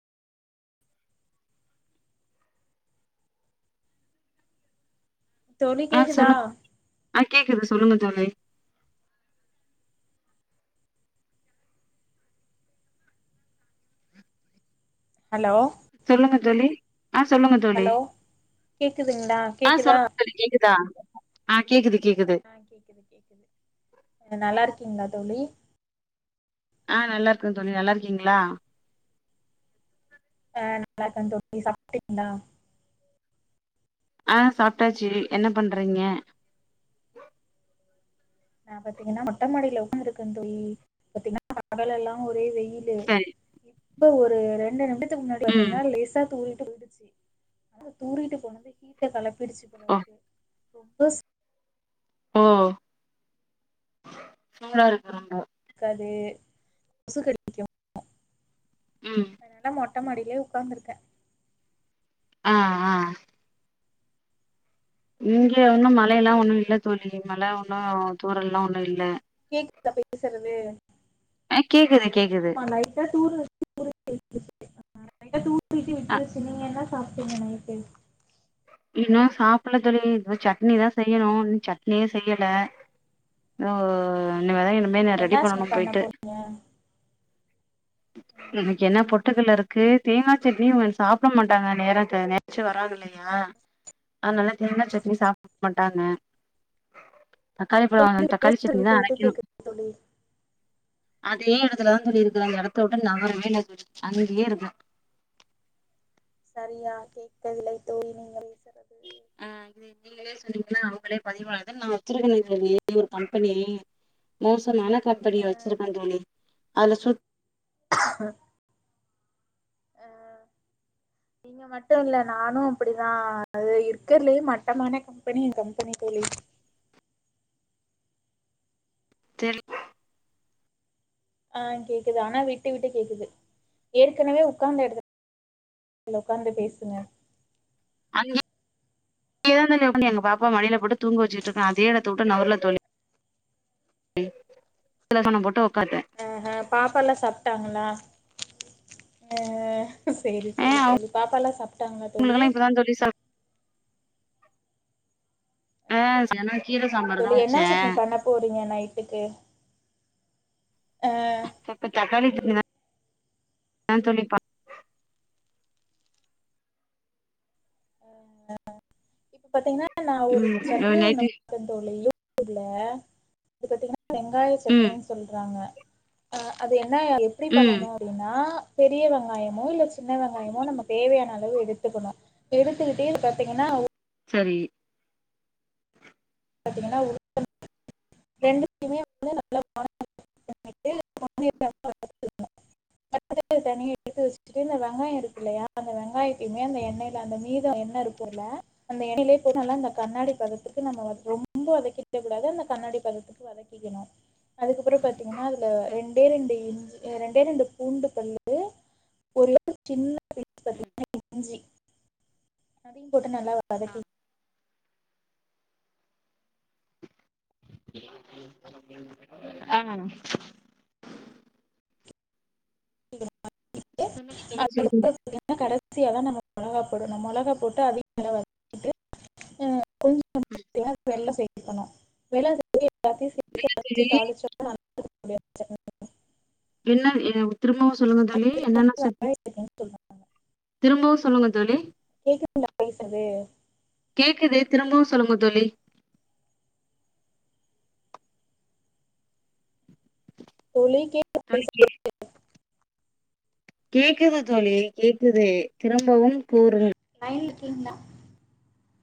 தோழி ஆ கேக்குதா சொல்லுங் ஆ கேக்குது சொல்லுங்க தோழி ஹலோ சொல்லுங்க தோழி ஆ சொல்லுங்க தோழி ஹலோ கேக்குதுங்களா ஆ கேக்குதா சொல்லுங்க தோழி கேக்குதா ஆ கேக்குது கேக்குது ஆ கேக்குது கேக்குது நல்லா இருக்கீங்ளா தோழி ஆ நல்லா இருக்கற தோழி நல்லா இருக்கீங்ளா ஆநல்லா இருக்க தோழி சாப்ட்டீங்ளா ஆ சாப்ட்டாச்சி என்ன பண்றீங்க நா பாத்தீங்கனா மொட்ட மாடியில உக்காந்திருக்க தோழி பாத்தீங்கனா பகல் எல்லா ஒரே வெயில் லு சரி இப்ப ஒரு ரெண்டு நிமிடத்துக்கு முன்னாடி ம் பாத்தீங்னா லேசா தூரிட்டு போயிடுச்சி ஆ தூறிட்டு போனது ஹீட்ட கலப்பிடுச்சி ஓ போலருக்கு ரொம்ப சூ ஓ மேல இருகுறாகோ கது கொசு கடிக்கு ம் அதனால மொட்ட மடிலயே உட்காந்திருக்க ஆ ஆ இங்க ஒன்னு மழயெல்லா ஒன்னு இல்ல தோழி மழ ஒன்னு தூரல்லா ஒன்னு இல்ல கேக்குதா பேசறது ஆ கேக்குது கேக்குது ஆமா லைட்டா தூருது னருச்சிவிட்ருச்சி நரைய தூர்னிசி அ விட்ரிச்சி நீங்க என்ன சாப்டீங்க நைட்டு இன்னு சாப்ல தோழி இது சட்னி தா செய்யணு இன்னு சட்னியே செய்யல ஒ இனிமே தா இனிமே என்ன ரெடி தோழி பண்ணணு பண்ண போயிட்டு போறீங்க ம் எனக்கு என்ன பொட்டுக்கல்ல இருக்கு தேங்கா சட்னியு இவங் சாப்ட மாட்டாங்க நேரத்த களிச்சி வராங்க இல்லயா அதனால தேங்கா சட்னி சாப்ட மாட்டாங்க தக்காளி தோழி பழம் பேசுறது தக்காளிசட்னி தா விட்டு விட்டு அரைக்கணு கேக்குது தோழி அதே எடத்துல தா தோழி இருக்க அந்த எடத்தவுட்டு நவரவேல்ல தோழி அங்கே இருக்க சரியா கேட்கவில்லை தோழி நீங்கள் ஆ கேக்குது முதலயே சொன்னீகனா அவங்களே பதிவாக நா வச்சிருகனே தோழி ஒரு கம்பெனி மோசமான கம்பெனிய வச்சிருக்க தோழி அதுல சுத் உஹம் நீங்க மட்டு இல்ல நானு அப்டிதா இருக்கறலயே மட்டமான கம் பனியன் கம்பனி தோழி தெர்ல ஆ கேக்குது ஆனா விட்டு விட்டு கேக்குது ஏற்கனவே உட்காந்த எடத்துல இதுல உக்காந்து பேசுங்க அங்க இப்படியே தானுங்க தோழி எங்க பாப்பாவ மடில போட்டு தூங்க வச்சுட்டு இருக்கே அதே இடத்தவிட்டு நவுர்ல தோழி சில சணம் போட்டு உக்காந்தே ஆஹ பாப்பல்லா சாப்ட்டாங்களா சேரி சேரி தோழி பாப்ப எல்லா சாப்ட்டாங்களா தோழி ஆ தோழி சா ஆ சாய்ந்த்ரோ கீர செரி சாம்பார்தா தோழி வச்ச என்ன சட்னி பண்ண போறீங்க நைட்டுக்கு ஆ தக் தக்காளி குர்மா அதா தோழி பன் அ பாத்தீங்கனா நா ஒரு ம் சட்னி ஒன்னு நைட்டு க்க தோழி யு டியுப்ல இது பத்தீங்கனா வெங்காய சட்னி ம் சொல்றாங்க அ அது என்னா எப்டி ம் பண்ணனு எப்டின்னா பெரிய வெங்காயமோ இல்ல சின்ன வெங்காயமோ நம்ம தேவையான அளவு எடுத்துக்கணு எடுத்துக்கிட்டே பாத்தீங்கன்னா சரி பார்த்தீங்கன்னா ஒரு ரெண்டுதையுமே வந்து நல்லா அட் வதக்குனத தனியா எடுத்து வச்சுட்டு இந்த வெங்காயம் இருக்கு இல்லையா அந்த வெங்காயத்தையுமே அந்த எண்ணயில அந்த மீதம் எண்ண இருக்குல அந்த எண்ணைலையே போட்டு நல்லா அந்த கண்ணாடி பதத்துக்கு நம்ம வதக் ரொம்ப வதக்கிக்க கூடாது அந்த கண்ணாடி பதத்துக்கு வதக்கிக்கணு அதுக்கப்புற பாத்தீங்கன்னா அதுல ரெண்டே ரெண்டு இஞ்சி ரெண்டே ரெண்டு பூண்டு பல்லு ஒ சின்ன [unintelligible] இஞ்சி அதையு போட்டு நல்லா வதக்கி ஆ சொல்லுங்க தோழி [unintelligible] சொல்லுங்க பாத்திங்கனா கடைசியா தா நம்ம மொளகா போடணு மொளகா போட்டு அதையு நல்லா வதக்கிக்கிட்டு அ கொஞ்ச பாத்தீங்கன்னா அதுக்கு வெல்ல சேத்துக்கணு வெல்ல சேர்த்துட்டு எல்லாத்தையு இல்ல தோழி சேர்த்து தாளிச்சு [unintelligible] என்ன எ திரும்பவு சொல்லுங்க தோழி இது என்னன்னா வந்து சேத்தி வெங்காய சட்னின்னு சொல்றாங்க திரும்பவு சொல்லுங்க தோழி கேக்குதுங்களா பேசறது கேக்குது திரும்பவு சொல்லுங்க தோழி தோழி கேக் தோழி கே கேக்குது தோழி கேக்குது திரும்பவும் கூறுங் லைன்ல இருக்கீங்களா